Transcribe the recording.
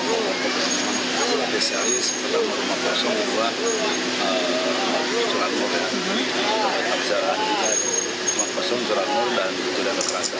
ketua desa alis ketua rumah pasung ketua kutu ranggung ketua ketua ketua ketua ketua ketua ketua ketua ketua ketua ketua ketua